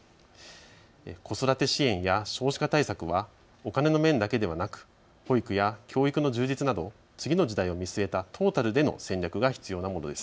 子育て支援や少子化対策はお金の面だけではなく保育や教育の充実など次の時代を見据えたトータルでの戦略が必要なものです。